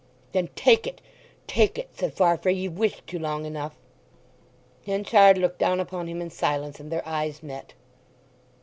"Then take it, take it!" said Farfrae. "Ye've wished to long enough!" Henchard looked down upon him in silence, and their eyes met.